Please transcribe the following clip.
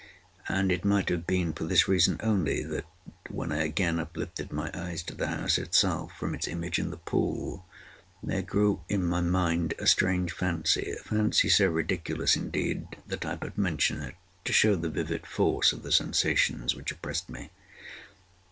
And it might have been for this reason only, that, when I again uplifted my eyes to the house itself, from its image in the pool, there grew in my mind a strange fancy—a fancy so ridiculous, indeed, that I but mention it to show the vivid force of the sensations which oppressed me.